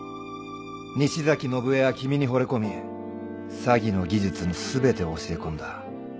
西崎信江は君にほれ込み詐欺の技術の全てを教え込んだ。